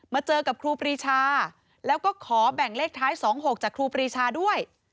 เจอกับครูปรีชาแล้วก็ขอแบ่งเลขท้าย๒๖จากครูปรีชาด้วย